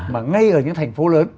mà ngay ở những thành phố lớn